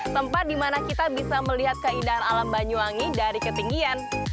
tempat dimana kita bisa melihat keindahan alam banyuwangi dari ketinggian